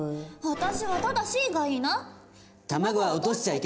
私は「ただし」がいいな。